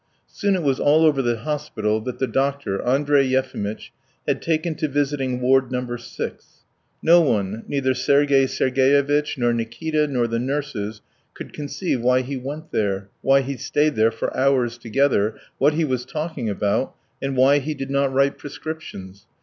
Soon it was all over the hospital that the doctor, Andrey Yefimitch, had taken to visiting Ward No. 6. No one neither Sergey Sergevitch, nor Nikita, nor the nurses could conceive why he went there, why he stayed there for hours together, what he was talking about, and why he did not write prescriptions.